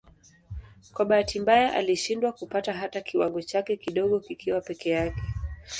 Kwa bahati mbaya alishindwa kupata hata kiwango chake kidogo kikiwa peke yake.